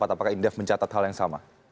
apakah indef mencatat hal yang sama